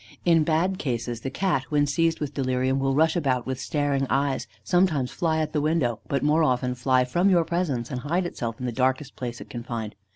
In bad cases, the Cat, when seized with delirium, will rush about with staring eyes, sometimes fly at the window, but more often fly from your presence and hide itself in the darkest place it can find.